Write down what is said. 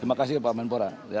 terima kasih pak kemenpora